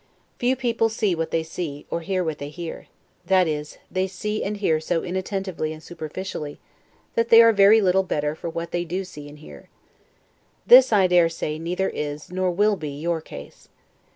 Few people see what they see, or hear what they hear; that is, they see and hear so inattentively and superficially, that they are very little the better for what they do see and hear. This, I dare say, neither is, nor will be your case.